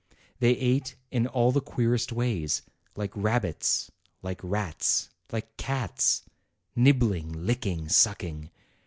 They ate in all the queerest ways, like rabbits, like rats, like cats, nibbling, licking, sucking.